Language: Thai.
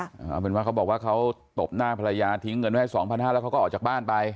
เอาเป็นว่าเขาบอกว่าเขาตบหน้าภรรยาทิ้งเงินไว้ให้สองพันห้าแล้วเขาก็ออกจากบ้านไป